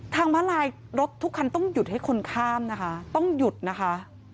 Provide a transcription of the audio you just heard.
มาลายรถทุกคันต้องหยุดให้คนข้ามนะคะต้องหยุดนะคะ